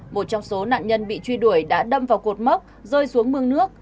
một trong số nạn nhân bị truy đuổi đã đâm vào cột mốc rơi xuống mương nước